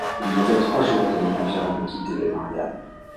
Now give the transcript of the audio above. Il y avait trois jours que les navires avaient quitté les Mariannes.